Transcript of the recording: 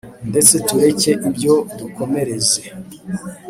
Ndetse tureke ibyo nkukomereze